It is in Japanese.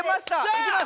いきます！